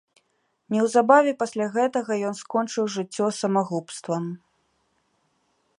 Неўзабаве пасля гэтага ён скончыў жыццё самагубствам.